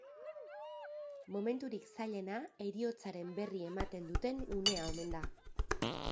Momenturik zailena heriotzaren berri ematen duten unea omen da.